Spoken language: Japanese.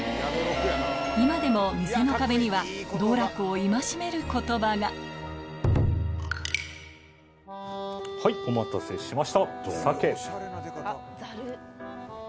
今でも店の壁には道楽を戒める言葉がはいお待たせしました。